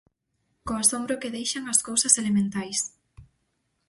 Co asombro que deixan as cousas elementais.